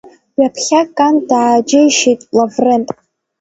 Ҩаԥхьа Кан дааџьеишьеит Лаврент.